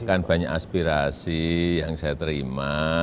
kan banyak aspirasi yang saya terima